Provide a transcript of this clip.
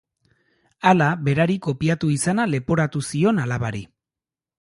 Hala, berari kopiatu izana leporatu zion alabari.